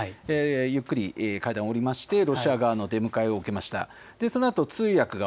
ゆっくり階段を降りましてロシア側の出迎えを受けました。